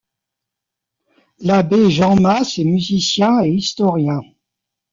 L'abbé Jean Maes est musicien et historien.